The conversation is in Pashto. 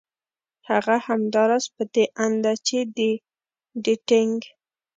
هغه همدا راز په دې اند ده چې د ډېټېنګ